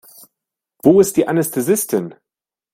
Wo ist die Anästhesistin?